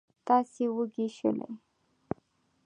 تاسې وږي شولئ.